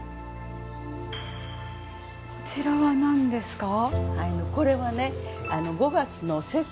こちらは何ですか？